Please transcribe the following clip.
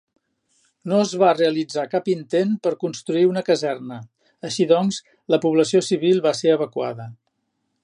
No es va realitzar cap intent per a construir una caserna, així doncs, la població civil va ser evacuada.